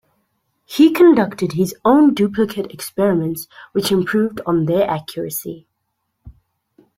He conducted his own duplicate experiments which improved on their accuracy.